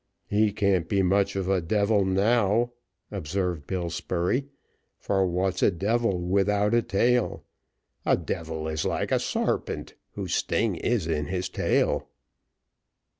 "He can't be much of a devil now," observed Bill Spurey; "for what's a devil without a tail? A devil is like a sarpent, whose sting is in his tail."